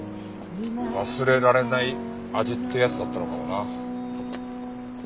忘れられない味ってやつだったのかもな。